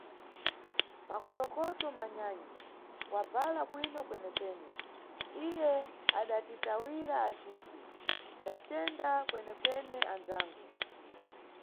Makolokoto manyanyi, wabvala bwino kwenekwene, iye adatitawira aciti, ndatenda kwenekwene andzangu.